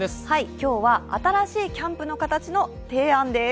今日は新しいキャンプの形の提案です。